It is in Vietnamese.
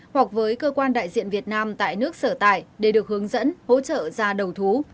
hoặc với cơ quan đại diện việt nam tại nước sở tại để được hướng dẫn hỗ trợ ra đầu thú